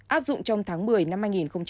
áp dụng trong tháng một mươi năm hai nghìn hai mươi